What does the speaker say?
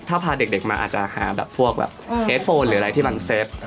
ถ้าพาเด็กมาอาจจะหาแบบพวกแบบเฮดโฟนหรืออะไรที่มันเซฟ